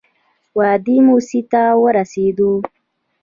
وادي موسی ته ورسېدو.